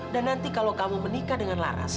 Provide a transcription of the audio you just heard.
dan nanti kalau kamu menikah dengan laras